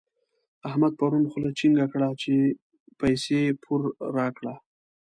احمد پرون خوله چينګه کړه چې پيسې پور راکړه.